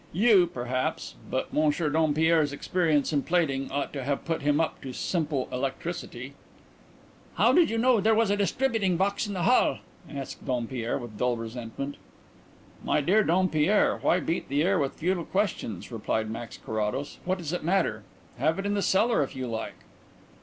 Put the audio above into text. You, perhaps but Monsieur Dompierre's experience in plating ought to have put him up to simple electricity." "How did you know that there is a distributing box in the hall?" asked Dompierre, with dull resentment. "My dear Dompierre, why beat the air with futile questions?" replied Max Carrados. "What does it matter? Have it in the cellar if you like."